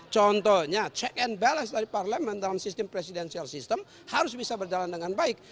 contohnya check and balance dari parlemen dalam sistem presidensial system harus bisa berjalan dengan baik